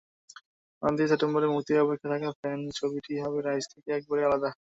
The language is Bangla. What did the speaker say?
অন্যদিকে সেপ্টেম্বরে মুক্তির অপেক্ষায় থাকা ফ্যান ছবিটি হবে রাইস থেকে একেবারেই আলাদা।